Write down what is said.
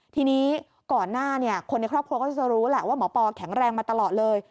ทีนี้ก่อนหน้าคนในครอบครัวก็จะรู้แหละว่าหมอปอแข็งแรงมาตลอดเลย